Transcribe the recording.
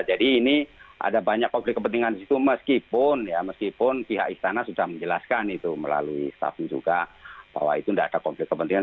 jadi ini ada banyak konflik kepentingan di situ meskipun ya meskipun pihak istana sudah menjelaskan itu melalui staff juga bahwa itu tidak ada konflik kepentingan